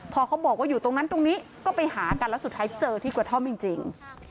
พอเขาบอกว่าอยู่ตรงนั้นตรงนี้ก็ไปหากันแล้วสุดท้ายเจอที่กระท่อมจริง